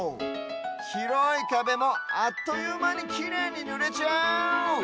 ひろいかべもあっというまにきれいにぬれちゃう！